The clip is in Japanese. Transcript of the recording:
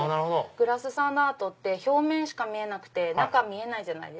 グラスサンドアートって表面しか見えなくて中見えない。